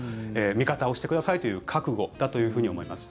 味方をしてくださいという覚悟だと思います。